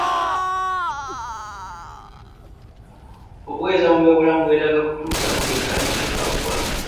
Obuweereza mu byobulamu bwetaaga kutuusa mu buli kanyomero ka ggwanga.